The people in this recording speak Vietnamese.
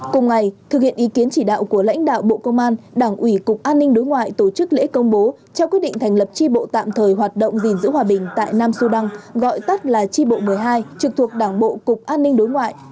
cùng ngày thực hiện ý kiến chỉ đạo của lãnh đạo bộ công an đảng ủy cục an ninh đối ngoại tổ chức lễ công bố trao quyết định thành lập tri bộ tạm thời hoạt động gìn giữ hòa bình tại nam sudan gọi tắt là tri bộ một mươi hai trực thuộc đảng bộ cục an ninh đối ngoại